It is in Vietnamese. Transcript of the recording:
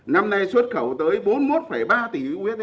năm nay xuất khẩu tới bốn mươi một ba tỷ usd